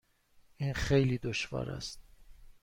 این خیلی دشوار است.